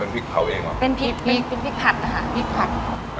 อ๋อเป็นพริกเผาเองเหรอเป็นพริกเป็นพริกผัดค่ะพริกผัด